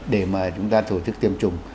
để mà chúng ta thổ thức tiêm chủng